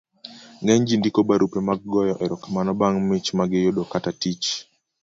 ng'eny ji ndiko barupe mag goyo erokamano bang' mich ma giyudo kata tich